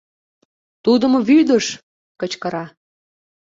Тудым вӱдыш! — кычкыра.